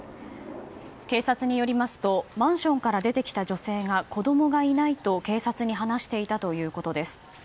警察によりますとマンションから出てきた女性が子供がいないと警察に話していたということです。